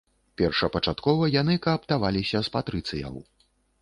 Першапачаткова яны кааптаваліся з патрыцыяў.